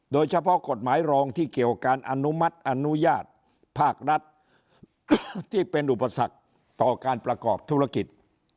โดยเฉพาะกฎหมายรองที่เกี่ยวการอนุมัติอนุญาตภาครัฐที่เป็นอุปสรรคต่อการประกอบธุรกิจ